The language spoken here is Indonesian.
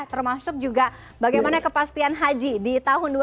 termasuk juga bagaimana kepastian haji di tahun dua ribu dua puluh dua ini ya